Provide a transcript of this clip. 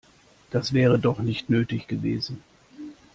Das wäre doch nicht nötig gewesen.